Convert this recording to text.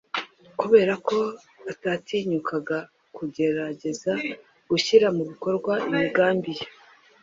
kubera ko atatinyukaga kugerageza gushyira mu bikorwa imigambi ye